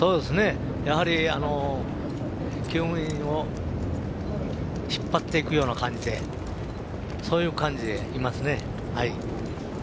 やはり、きゅう務員を引っ張っていくような感じでそういう感じでいますね。